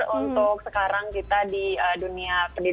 untuk sekarang kita di dunia pendidikan